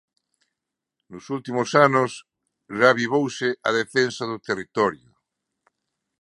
Nos últimos anos reavivouse a defensa do territorio?